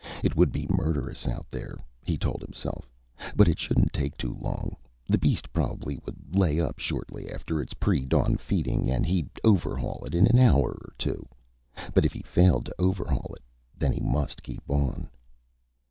It would be murderous out there, he told himself, but it shouldn't take too long. The beast probably would lay up shortly after its pre dawn feeding and he'd overhaul it in an hour or two. But if he failed to overhaul it, then he must keep on.